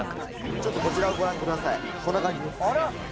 ちょっとこちらをご覧くださいこんな感じです。